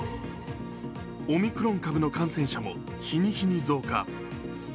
オミクロン株の感染者も日に日に増加。